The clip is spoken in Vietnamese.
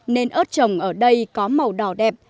nên ớt trồng ở đây có màu đỏ đẹp